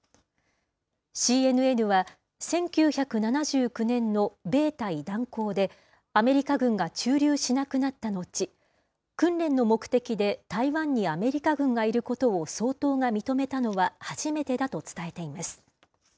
ＣＮＮは、１９７９年の米台断交で、アメリカ軍が駐留しなくなった後、訓練の目的で台湾にアメリカ軍がいることを総統が認めたのは初めてだと伝えています。